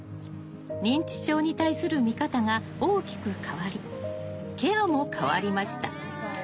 認知症に対する見方が大きく変わりケアも変わりました。